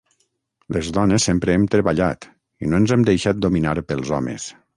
Les dones sempre hem treballat i no ens hem deixat dominar pels homes.